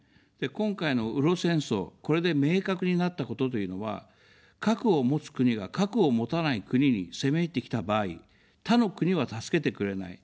今回のウロ戦争、これで明確になったことというのは、核を持つ国が核を持たない国に攻め入ってきた場合、他の国は助けてくれない。